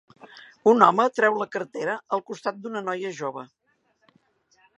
Un home treu la cartera al costat d'una noia jove.